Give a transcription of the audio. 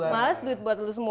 males duit buat lo semua gitu kan